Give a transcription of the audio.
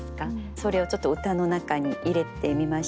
それをちょっと歌の中に入れてみました。